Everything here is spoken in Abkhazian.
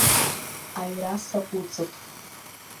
Аҩра саҟәыҵып.